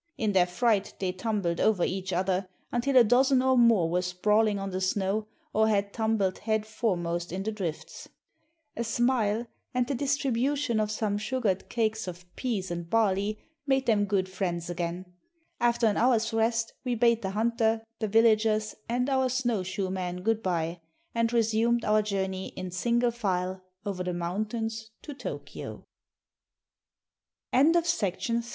In their fright they tumbled over each other, until a dozen or more were sprawling on the snow or had tumbled head foremost in the drifts. A smile, and the distribution of some sugared cakes of peas and barley, made them good friends again. After an hour's rest we bade the hunter, the villagers, and our snow shoe men good by, and resumed our journey in single file over the mountains to Tokio. SEEKING HIS FORTUNE. BY MRS. W. J.